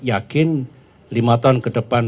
yakin lima tahun ke depan